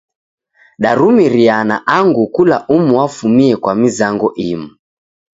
Darumiriana angu kula umu wafumie kwa mizango imu.